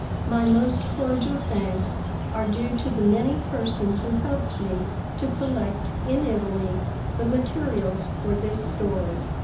MY most cordial thanks are due to the many persons who helped me to collect, in Italy, the materials for this story.